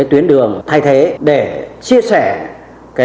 tuyến đường thay thế để chia sẻ